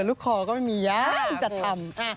ลูกคอก็ไม่มีย้างจะทำ